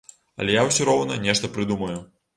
Але я ўсе роўна нешта прыдумаю.